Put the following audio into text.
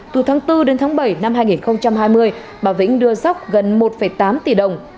từ tháng bốn đến tháng bảy năm hai nghìn hai mươi bà vĩnh đưa dóc gần một tám tỷ đồng